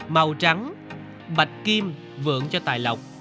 màu trắng bạch kim vượng cho tài lọc